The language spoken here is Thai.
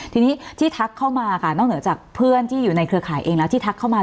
ทีนี้ที่ทักเข้ามาค่ะนอกเหนือจากเพื่อนที่อยู่ในเครือข่ายเองแล้วที่ทักเข้ามา